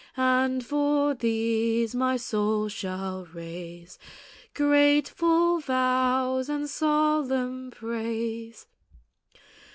And for these my soul shall raise Grateful vows and solemn praise.